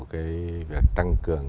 cái việc tăng cường